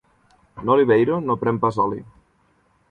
N'Oliveiro no pren pas oli.